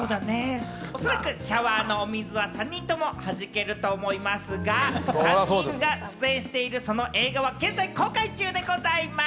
おそらくシャワーのお水は３人ともはじけると思いますが、３人が出演してる、その映画は現在公開中でございます。